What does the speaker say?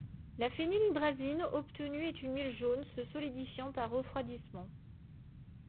La phénylhydrazine obtenue est une huile jaune se solidifiant par refroidissement.